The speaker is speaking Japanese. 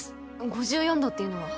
５４度っていうのは？